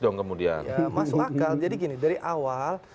masuk akal jadi gini dari awal